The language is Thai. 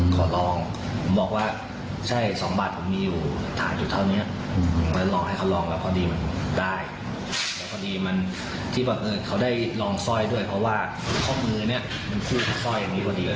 เพราะว่าข้อมือมันคู่กับสร้อยอย่างนี้พอดี